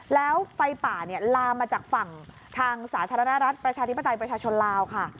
แล้วไฟป่าลามมาจากฝั่งทางสาธารณรัฐประชาธิปไตยประชาชนลาวค่ะ